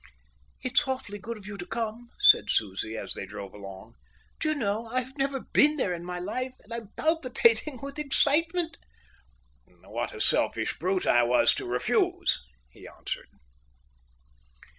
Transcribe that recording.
"It's awfully good of you to come," said Susie, as they drove along. "Do you know, I've never been there in my life, and I'm palpitating with excitement." "What a selfish brute I was to refuse!" he answered.